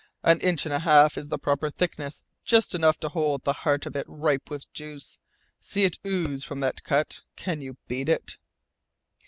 An inch and a half is the proper thickness, just enough to hold the heart of it ripe with juice. See it ooze from that cut! Can you beat it?"